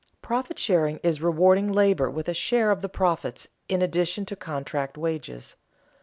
_Profit sharing is rewarding labor with a share of the profits in addition to contract wages.